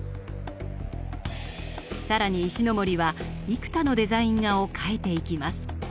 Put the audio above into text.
更に石森は幾多のデザイン画を描いていきます。